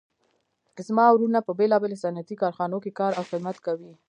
زما وروڼه په بیلابیلو صنعتي کارخانو کې کار او خدمت کوي